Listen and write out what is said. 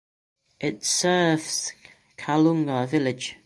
It serves Kalunga village.